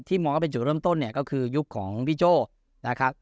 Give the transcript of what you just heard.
มองว่าเป็นจุดเริ่มต้นเนี่ยก็คือยุคของพี่โจ้นะครับ